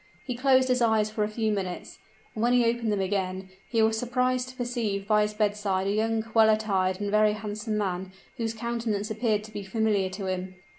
He closed his eyes for a few minutes; and when he opened them again, he was surprised to perceive by his bedside a young, well attired, and very handsome man, whose countenance appeared to be familiar to him.